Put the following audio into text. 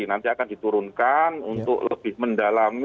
nanti akan diturunkan untuk lebih mendalami